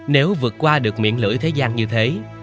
nếu vượt qua được miễn lưỡi thế gian như thế